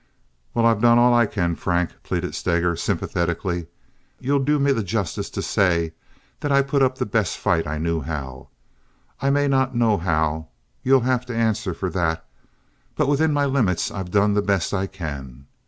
"Well, I've done all I can, Frank," pleaded Steger, sympathetically. "You'll do me the justice to say that I put up the best fight I knew how. I may not know how—you'll have to answer for that—but within my limits I've done the best I can.